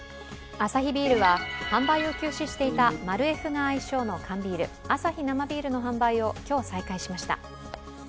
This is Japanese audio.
アサヒビールは販売を休止していたマルエフが愛称の缶ビールアサヒ生ビールの販売を今日、再開しました。